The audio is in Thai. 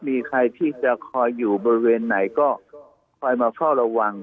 มีใครที่จะคอยอยู่บริเวณไหนก็คอยมาเฝ้าระวัง